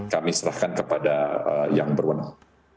kami serahkan kepada yang berwenang